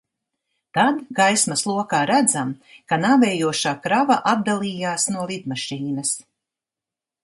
Tad gaismas lokā redzam, ka nāvējošā krava atdalījās no lidmašīnas.